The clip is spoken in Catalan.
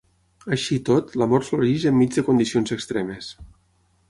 Així i tot, l'amor floreix enmig de condicions extremes.